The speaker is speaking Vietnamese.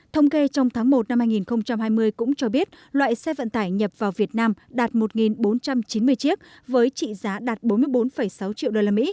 thông kê trong tháng một năm hai nghìn hai mươi cũng cho biết loại xe vận tải nhập vào việt nam đạt một bốn trăm chín mươi chiếc với trị giá đạt bốn mươi bốn sáu triệu usd